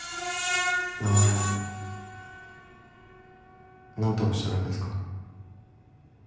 名前なんとおっしゃるんですか？